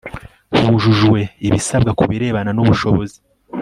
hujujwe ibisabwa ku birebana n ubushobozi